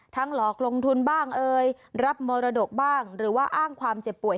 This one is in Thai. หลอกลงทุนบ้างเอ่ยรับมรดกบ้างหรือว่าอ้างความเจ็บป่วย